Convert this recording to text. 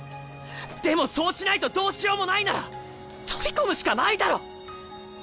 でもそうしないとどうしようもないなら飛び込むしかないだろ！